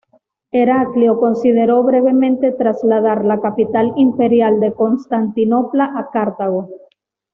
Heraclio consideró brevemente trasladar la capital imperial de Constantinopla a Cartago.